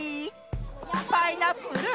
パイナップル。